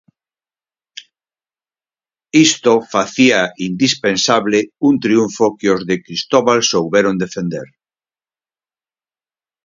Isto facía indispensable un triunfo que os de Cristóbal souberon defender.